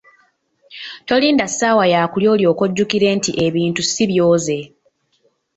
Tolinda ssaawa ya kulya olyoke ojjukire nti ebintu si byoze.